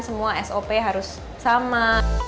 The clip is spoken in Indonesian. semua sop harus sama